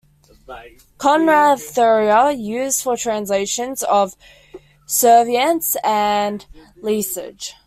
Konrad Thorer: used for translations of Cervantes and Lesage.